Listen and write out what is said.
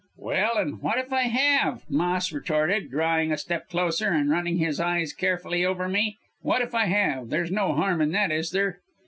"'Well, and what if I have!' Moss retorted, drawing a step closer and running his eyes carefully over me. 'What if I have! There's no harm in that, is there?'